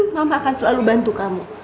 mama akan selalu bantu kamu